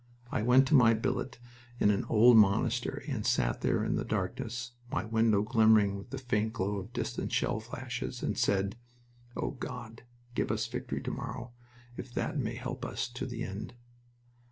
I went to my billet in an old monastery, and sat there in the darkness, my window glimmering with the faint glow of distant shell flashes, and said, "O God, give us victory to morrow, if that may help us to the end."